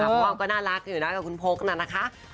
เพราะว่าก็น่ารักอยู่นะกับคุณพกน่ะนะคะ